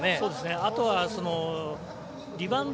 あとはリバウンド